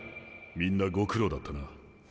みんなご苦労だったな。